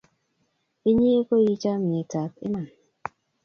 Inye koi chomyet ap iman.